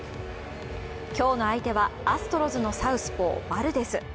今日の相手はアストロズのサウスポー、バルデス。